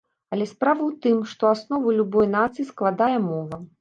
Але справа ў тым, што аснову любой нацыі складае мова.